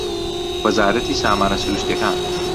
وەزارەتی سامانە سروشتییەکان